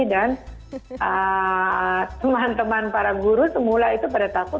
dan teman teman para guru semula itu pada takut